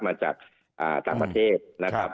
มาจากต่างประเทศนะครับ